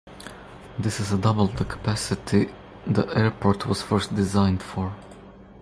This is double the capacity the airport was first designed for.